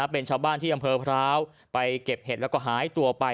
เป็นชาวบ้านที่อำเภอพร้าวไปเก็บเห็ดแล้วก็หายตัวไป